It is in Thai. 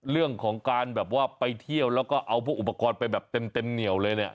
เรื่องของการแบบว่าไปเที่ยวแล้วก็เอาพวกอุปกรณ์ไปแบบเต็มเหนียวเลยเนี่ย